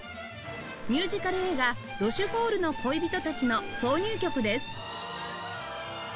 ミュージカル映画『ロシュフォールの恋人たち』の挿入曲です